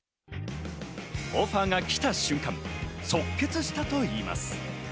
オファーが来た瞬間、即決したといいます。